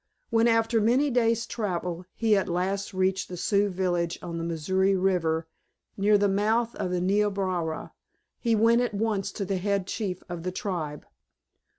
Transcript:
When, after many days' travel, he at last reached the Sioux village on the Missouri River, near the mouth of the Niobrara, he went at once to the head chief of the tribe.